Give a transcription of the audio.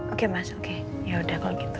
oke mas oke yaudah kalau gitu